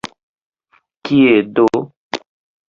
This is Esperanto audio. Kie do?